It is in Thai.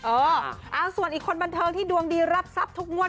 เออเอาส่วนอีกคนบันเทิงที่ดวงดีรับทรัพย์ทุกงวด